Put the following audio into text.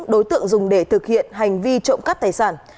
đối tượng dùng để thực hiện hành vi trộm cắp tài sản